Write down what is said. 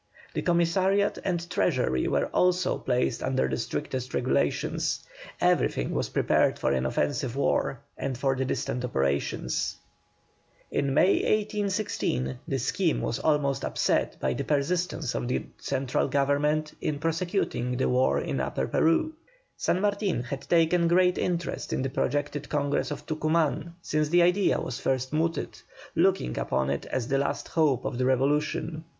The commissariat and treasury were also placed under the strictest regulations. Everything was prepared for an offensive war, and for distant operations. In May, 1816, the scheme was almost upset by the persistence of the Central Government in prosecuting the war in Upper Peru. San Martin had taken great interest in the projected Congress of Tucuman since the idea was first mooted, looking upon it as the last hope of the revolution.